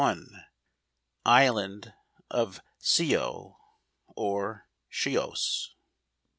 Island of Scio , or Chios.